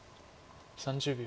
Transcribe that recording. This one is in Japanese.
３０秒。